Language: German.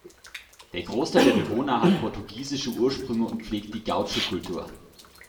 Der Großteil der Bewohner hat portugiesische Ursprünge und pflegt die Gaúcho-Kultur.